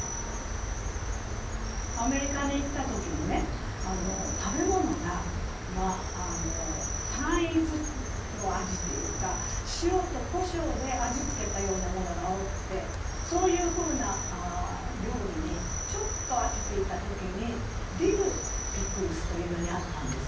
アメリカに行った時にね食べ物が単一の味っていうか塩とこしょうで味付けたようなものが多くてそういうふうな料理にちょっと飽きていた時に「ディルピクルス」というのに会ったんですよ。